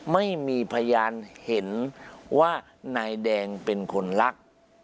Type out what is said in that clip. ไม่มีพยานเห็นว่านายแดงเป็นคนรัก